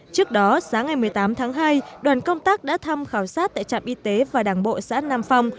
trước đó sáng ngày một mươi tám tháng hai đoàn công tác đã thăm khảo sát tại trạm y tế và đảng bộ xã nam phong